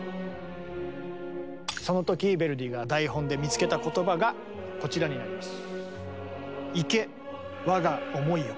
その時ヴェルディが台本で見つけた言葉がこちらになります。